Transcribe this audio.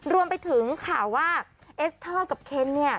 รวมไปถึงข่าวว่าเอสเตอร์กับเคนเนี่ย